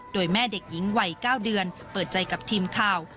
โดยแม่เด็กหญิงวัย๙เดือนเปิดใจกับทีมข่าว